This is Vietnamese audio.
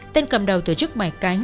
tên cầm đầu tổ chức bài cánh